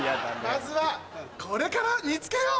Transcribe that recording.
まずはこれから煮付けよう！